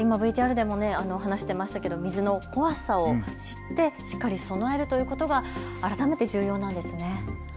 今、ＶＴＲでも話していましたけれども、水の怖さを知ってしっかり備えるということが改めて重要なんですね。